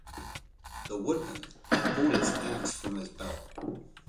The woodman had pulled his axe from his belt.